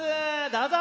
どうぞ！